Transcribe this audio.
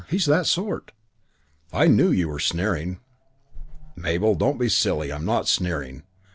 He's that sort." "I knew you were sneering." "Mabel, don't be silly. I'm not sneering.